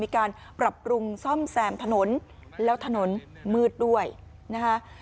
มีการปรับปรุงซ่อมแซมถนนแล้วถนนมืดด้วยนะคะ